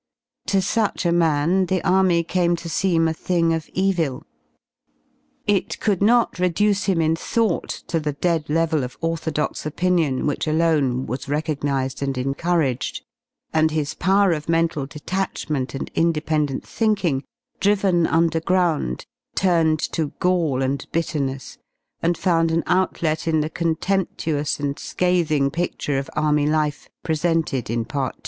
To such a man the Army came to seem a thing of evil. It could not reduce him in thought to the dead level of orthodox opinion which alone was recognised and encouraged, and his power of mental detachment and independent thinkingy driven underground y turned to gall and bitterness y and found an outlet in the contemptuous and scathing pidure of Army life presented in Part II.